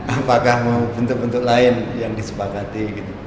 apakah mau bentuk bentuk lain yang disepakati